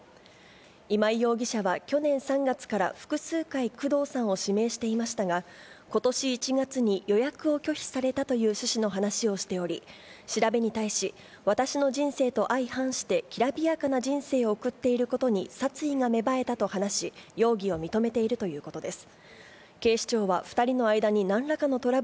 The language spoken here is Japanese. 今井容疑者は去年３月から複数回、工藤さんを指名していましたが、ことし１月に、予約を拒否されたという趣旨の話をしており、調べに対し、私の人生と相反して、きらびやかな人生を送っていることに殺意が芽生えたと話し、容疑を認めているということです。